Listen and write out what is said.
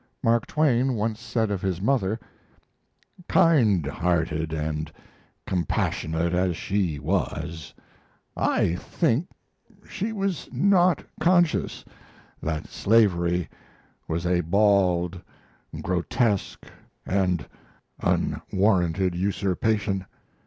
Mark Twain once said of his mother: "Kind hearted and compassionate as she was, I think she was not conscious that slavery was a bald, grotesque, and unwarranted usurpation.